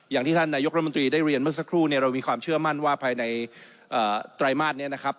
อย่างที่ท่านนายกรมนตรีได้เรียนเมื่อสักครู่เนี่ยเรามีความเชื่อมั่นว่าภายในไตรมาสนี้นะครับ